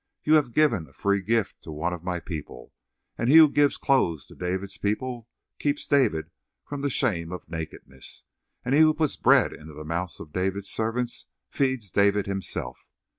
You have given a free gift to one of my people, and he who gives clothes to David's people keeps David from the shame of nakedness; and he who puts bread in the mouths of David's servants feeds David himself.